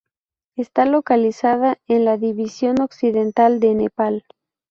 Está localizada en la división occidental de Nepal.